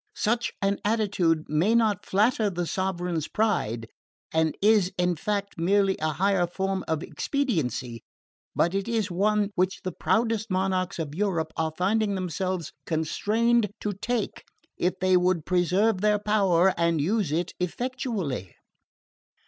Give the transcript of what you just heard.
Such an attitude may not flatter the sovereign's pride, and is in fact merely a higher form of expediency; but it is one which the proudest monarchs of Europe are finding themselves constrained to take if they would preserve their power and use it effectually."